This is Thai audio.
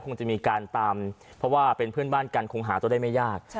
คงจะมีการตามเพราะว่าเป็นเพื่อนบ้านกันคงหาตัวได้ไม่ยาก